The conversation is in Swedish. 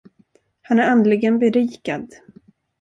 Han är andligen berikad.